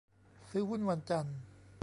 ซื้อหุ้นวันจันทร์